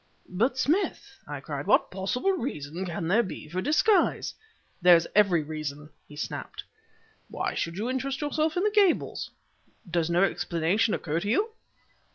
"But, Smith," I cried, "what possible reason can there be for disguise?" "There's every reason," he snapped. "Why should you interest yourself in the Gables?" "Does no explanation occur to you?"